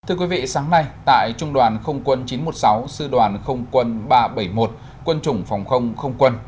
thưa quý vị sáng nay tại trung đoàn không quân chín trăm một mươi sáu sư đoàn không quân ba trăm bảy mươi một quân chủng phòng không không quân